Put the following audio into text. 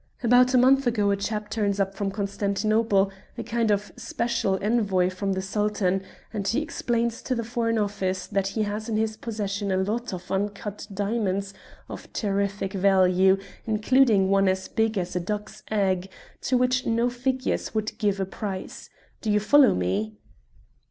About a month ago a chap turns up from Constantinople, a kind of special Envoy from the Sultan, and he explains to the Foreign Office that he has in his possession a lot of uncut diamonds of terrific value, including one as big as a duck's egg, to which no figures would give a price. Do you follow me?"